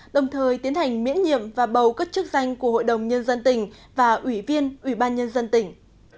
đồng thời tiến hành miễn nhiệm và bầu cất chức danh của hội đồng nhân dân tỉnh và ủy viên ủy ban nhân dân tỉnh